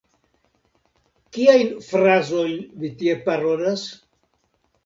Kiajn frazojn vi tie parolas?